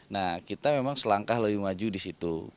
nah kita memang selangkah lebih maju di situ